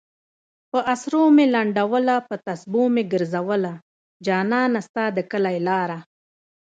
پہ اسرو میی لنڈولہ پہ تسپو میی گزولہ جانہ! ستا د کلی لارہ